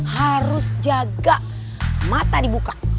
harus jaga mata dibuka